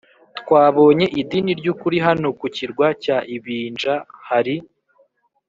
twabonye idini ry ukuri Hano ku kirwa cya Ibinja hari